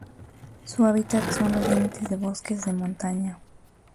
Su hábitat son los límites de bosques de montaña.